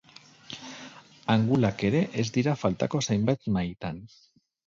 Angulak ere ez dira faltako zenbait mahaitan.